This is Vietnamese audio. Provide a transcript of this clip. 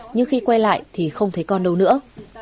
nhưng khi quay lại thì không thấy con đâu nữa